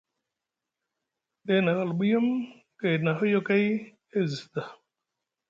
Day na hulɓiyum gayɗi na hoyokay e zi sda.